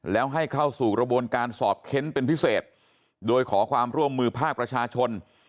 แล้วให้เข้าสู่กระบวนการสอบเค้นเป็นพิเศษโดยขอความร่วมมือภาคประชาชน